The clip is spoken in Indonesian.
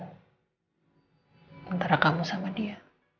sementara kamu sama dia